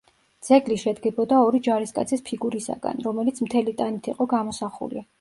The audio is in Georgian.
ძეგლი შედგებოდა ორი ჯარისკაცის ფიგურისაგან, რომელიც მთელი ტანით იყო გამოსახული.